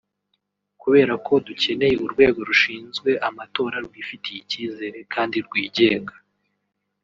Kubera ko dukeneye urwego rushinzwe amatora rwifitiye icyizere kandi rwigenga